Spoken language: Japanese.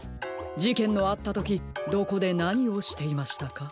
じけんのあったときどこでなにをしていましたか？